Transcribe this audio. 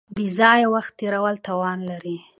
بې ځایه وخت تېرول تاوان لري.